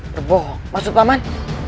berbohong maksud paman